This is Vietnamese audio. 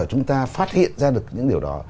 chúng ta phát hiện ra được những điều đó